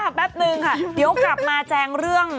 แป๊บนึงค่ะเดี๋ยวกลับมาแจงเรื่อง